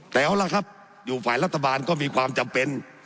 แต่เอาล่ะครับอยู่ฝ่ายรัฐบาลก็มีความจำเป็น